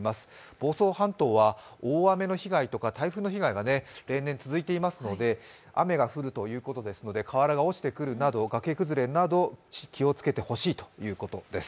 房総半島は大雨の被害とか台風の被害が例年続いていますので、雨が降るということですので、かわらが落ちてくるなど、崖崩れなど、気をつけてほしいということです。